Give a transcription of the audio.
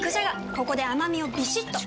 ここで甘みをビシッと！